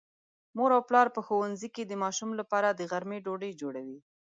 مور او پلار په ښوونځي کې د ماشوم لپاره د غرمې ډوډۍ جوړوي.